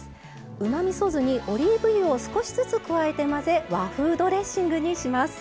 うまみそ酢にオリーブ油を少しずつ加えて混ぜ和風ドレッシングにします。